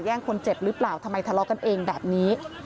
คนเจ็บหรือเปล่าทำไมทะเลาะกันเองแบบนี้